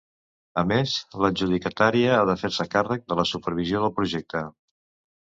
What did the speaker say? A més, l’adjudicatària ha de fer-se càrrec de la supervisió del projecte.